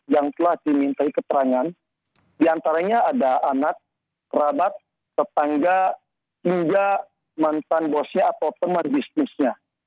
yang telah dimintai keterangan diantaranya ada anak kerabat tetangga hingga mantan bosnya atau teman bisnisnya